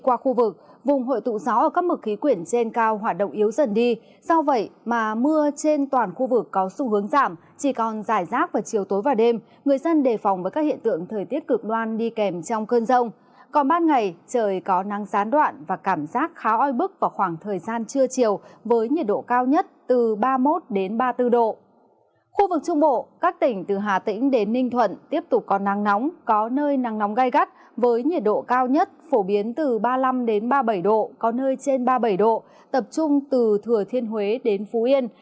khu vực trung bộ các tỉnh từ hà tĩnh đến ninh thuận tiếp tục có nắng nóng có nơi nắng nóng gai gắt với nhiệt độ cao nhất phổ biến từ ba mươi năm ba mươi bảy độ có nơi trên ba mươi bảy độ tập trung từ thừa thiên huế đến phú yên